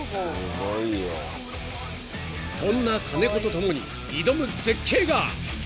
［そんな金子と共に挑む絶景が］